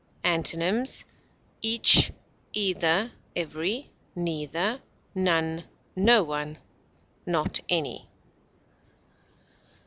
Antonyms: each, either, every, neither, none, no one, not any.